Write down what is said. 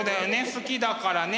好きだからね。